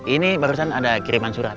ini barusan ada kiriman surat